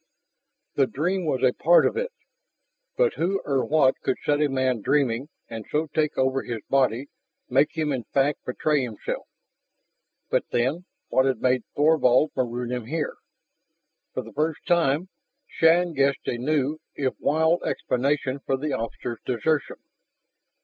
The dream was a part of it. But who or what could set a man dreaming and so take over his body, make him in fact betray himself? But then, what had made Thorvald maroon him here? For the first time, Shann guessed a new, if wild, explanation for the officer's desertion.